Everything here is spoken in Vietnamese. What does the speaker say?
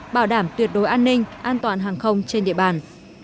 bảo đảm tuyệt đối an ninh an toàn hàng không trên địa bàn